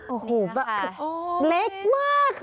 โอ้โหแบบเล็กมาก